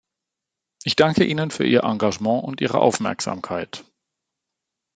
Ich danke Ihnen für Ihr Engagement und Ihre Aufmerksamkeit.